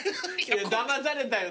だまされたよ